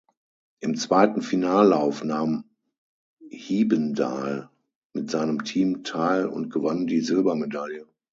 Im zweiten Finallauf nahm Hiebendaal mit seinem Team teil und gewann die Silbermedaille.